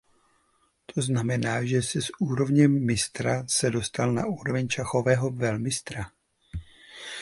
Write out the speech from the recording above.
To znamená že se z úrovně mistra se dostal na úroveň šachového velmistra.